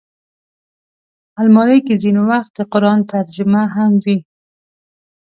الماري کې ځینې وخت د قرآن ترجمه هم وي